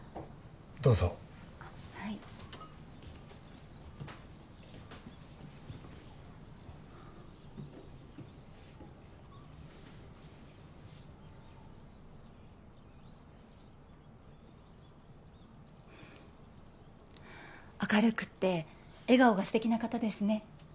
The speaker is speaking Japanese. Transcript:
どうぞはい明るくて笑顔がステキな方ですね